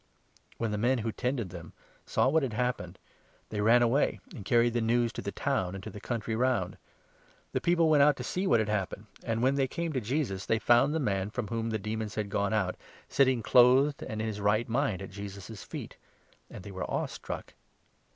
When the men 34 who tended them saw what had happened, they ran away, and carried the news to the town, and to the country round. The 35 people went out to see what had happened, and, when they came to Jesus, they found the man from whom the demons had gone out, sitting, clothed and in his right mind, at Jesus' feet ; and they were awe struck.